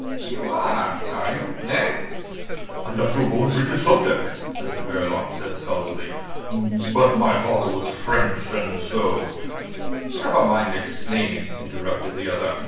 "You are! Are you? Eh?" "A natural born British subject," Mr Verloc said stolidly. "But my father was French, and so—" "Never mind explaining," interrupted the other.